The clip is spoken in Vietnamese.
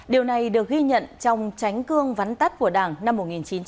điều này được ghi nhận trong tránh cương vắn tắt của đảng năm một nghìn chín trăm bảy mươi